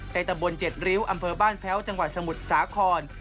ในตับมนต์๗ริ้วอำเภอบ้านแพ้วจังหวัดสมุทรศาคอน